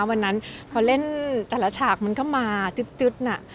วันนั้นพอเล่นแต่ละฉากมันก็มาจึ๊ดน่ะ